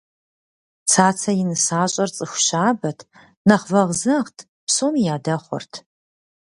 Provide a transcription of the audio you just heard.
Цацэ и нысащӏэр цӏыху щабэт, нэхъ вэгъзэгът, псоми ядэхъурт.